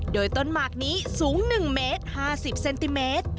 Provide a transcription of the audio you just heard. โดยต้นหมากนี้สูง๑เมตร๕๐เซนติเมตร